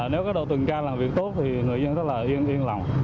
nếu có đội tuần tra làm việc tốt thì người dân rất là yên yên lòng